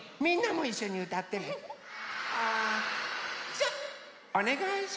じゃあおねがいします。